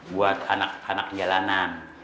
buat anak anak jalanan